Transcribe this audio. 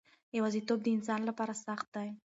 یوازیتوب د انسان لپاره سخت دی.